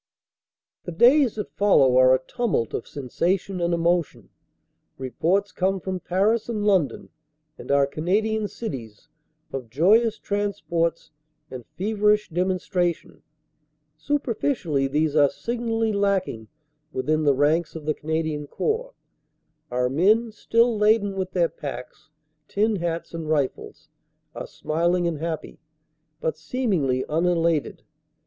The days that follow are a tumult of sensation and emotion. Reports come from Paris and London and our Canadian cities of joyous transports and feverish demonstration. Superficially these are signally lacking within the ranks of the Canadian Corps. Our men, still laden with their packs, tin hats and rifles, are smiling and happy, but seemingly undated.